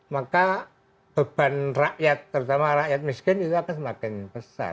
maka beban rakyat terutama rakyat miskin itu akan semakin besar